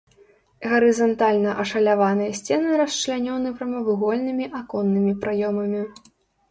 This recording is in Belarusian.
Гарызантальна ашаляваныя сцены расчлянёны прамавугольнымі аконнымі праёмамі.